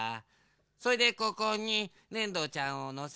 それでここにねんどちゃんをのせます。